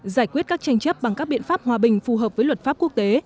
giải quyết các tranh chấp bằng các biện pháp hòa bình phù hợp với luật pháp quốc tế